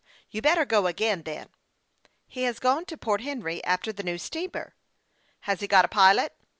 " You better go again, then." " He has gone to Port Henry after the new steamer." " Has he got a pilot